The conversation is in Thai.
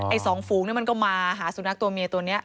สองฝูงนี่มันก็มาหาสุนัขตัวเมียตัวนี้